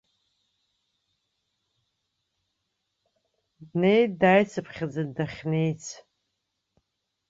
Днеит, дааицыԥхьаӡа дахьнеиц.